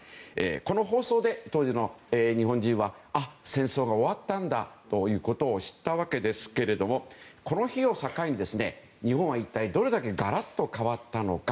この放送で当時の日本人はあ、戦争が終わったんだと知ったわけですがこの日を境に、日本は一体どれだけガラッと変わったのか。